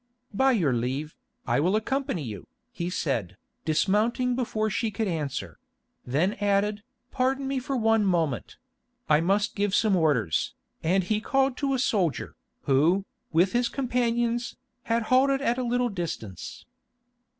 "By your leave, I will accompany you," he said, dismounting before she could answer; then added, "Pardon me for one moment—I must give some orders," and he called to a soldier, who, with his companions, had halted at a little distance.